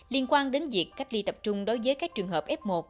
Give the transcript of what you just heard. liên quan đến việc cách ly tập trung đối với các trường hợp f một